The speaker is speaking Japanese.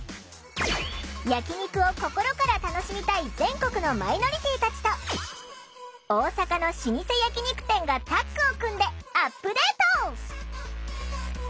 焼き肉を心から楽しみたい全国のマイノリティーたちと大阪の老舗焼き肉店がタッグを組んでアップデート！